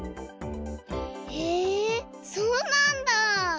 へえそうなんだ。